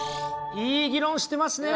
いい議論してますね！